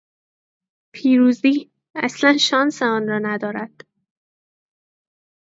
پیروزی! اصلا شانس آن را ندارد!